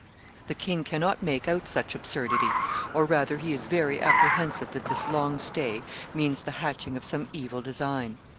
The king cannot make out such absurdity; or, rather, he is very apprehensive that this long stay means the hatching of some evil design."